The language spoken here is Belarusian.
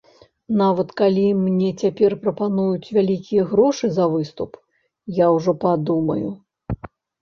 Нават калі мне цяпер прапануюць вялікія грошы за выступ, я ужо падумаю.